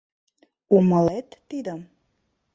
Умылет тидым?